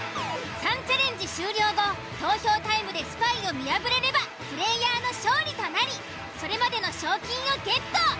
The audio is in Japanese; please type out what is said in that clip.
３チャレンジ終了後投票タイムでスパイを見破れればプレイヤーの勝利となりそれまでの賞金をゲット。